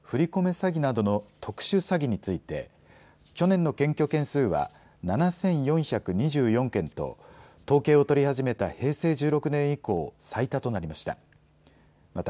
詐欺などの特殊詐欺について去年の検挙件数は７４２４件と統計を取り始めた平成１６年以降、最多となりました。